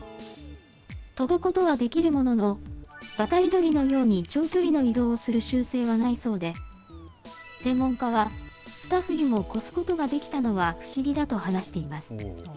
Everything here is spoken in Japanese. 飛ぶことはできるものの、渡り鳥のように長距離の移動をする習性はないそうで、専門家は、２冬も越すことができたのは不思議だと話しています。